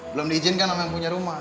belum diizinkan sama yang punya rumah